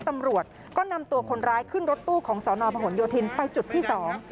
ตำรวจก็นำตัวคนร้ายขึ้นรถตู้ของสอนอพหนโยธินไปจุดที่สอง